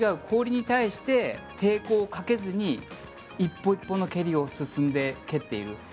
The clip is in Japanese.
氷に対して抵抗をかけずに１歩１歩の蹴りを進んで蹴っている。